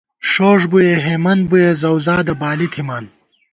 ݭوݭ بُوئےہېمند بُوئے ، زؤزادہ بالی تھِمان